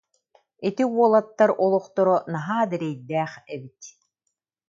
Ити уолаттар олохторо наһаа да эрэйдээх эбит